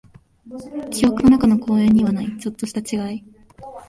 記憶の中の公園にはない、ちょっとした違い。